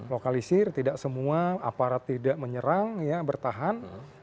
lokalisir tidak semua aparat tidak menyerang ya bertahan